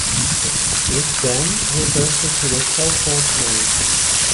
It then reverted to the Telfort name.